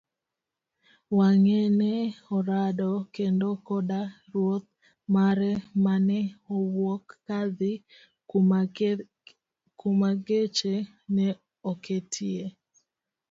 wange' ne orado kendo koda Ruoth mare mane wuok kadhi kuma geche ne oketie.